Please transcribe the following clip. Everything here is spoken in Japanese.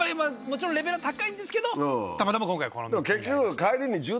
もちろんレベルは高いんですけどたまたま今回はこのように。